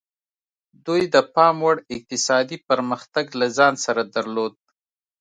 دوی د پاموړ اقتصادي پرمختګ له ځان سره درلود.